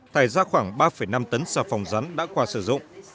tài ra khoảng ba năm tấn sà phòng rắn đã qua sử dụng